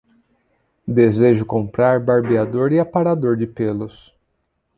Desejo comprar barbeador e aparador de pelos